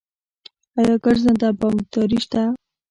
آیا ګرځنده بانکداري شته؟